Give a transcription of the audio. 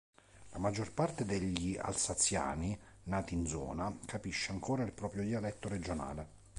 La maggior parte degli alsaziani nati in zona capisce ancora il proprio dialetto regionale.